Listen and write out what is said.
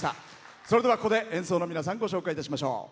それでは演奏の皆さんをご紹介しましょう。